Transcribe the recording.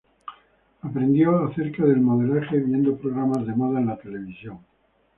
Aprendió acerca del modelaje viendo programas de moda en la televisión.